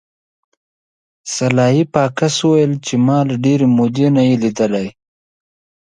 سلای فاکس وویل چې ما له ډیرې مودې نه یې لیدلی